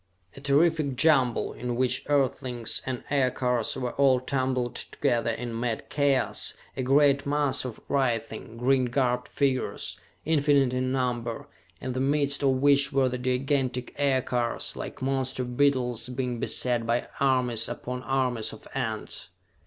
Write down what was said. A terrific jumble, in which Earthlings and aircars were all tumbled together in mad chaos, a great mass of writhing, green garbed figures. Infinite in number in the midst of which were the gigantic aircars, like monster beetles being beset by armies upon armies of ants.